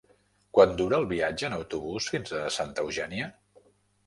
Quant dura el viatge en autobús fins a Santa Eugènia?